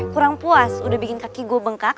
kurang puas udah bikin kaki gue bengkak